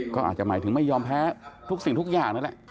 ก็อาจจะหมายถึงไม่ยอมแพ้ทุกสิ่งทุกอย่างนั่นแหละ